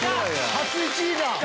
初１位だ！